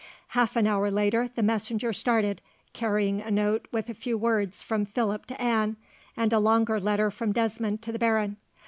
Half an hour later the messenger started, carrying a note with a few words from Philip to Anne, and a longer letter from Desmond to the baron.